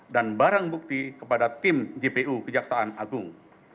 barang bukti kepada tim jpu kejaksaan agung